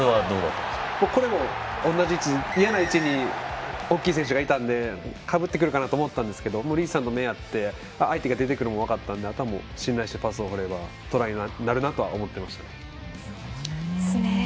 これも嫌な位置に大きな選手がいたのでかぶってくるかなと思ったんですけどリーチさんと目が合って相手が出てくるのが分かったのであとは信頼してパスを放ればトライになるなとは思ってました。